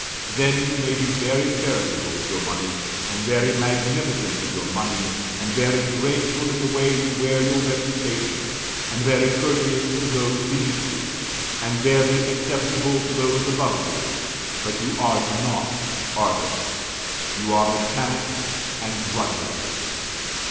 Then, you may be very charitable with your money, and very magnificent with your money, and very graceful in the way you wear your reputation, and very courteous to those beneath you, and very acceptable to those above you; but you are not artists. You are mechanics, and drudges.